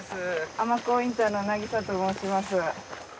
尼神インターの渚と申します。